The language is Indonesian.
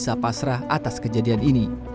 rasa pasrah atas kejadian ini